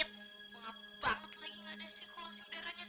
aku banget lagi gak ada sirkulasi udaranya